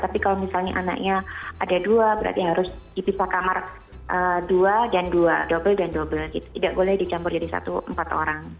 tapi kalau misalnya anaknya ada dua berarti harus dipisah kamar dua dan dua dobel dan dobel tidak boleh dicampur jadi satu empat orang